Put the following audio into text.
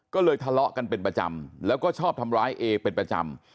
ก็เลยทะเลาะกันเป็นประจำแล้วก็ชอบทำร้ายเอเป็นประจำ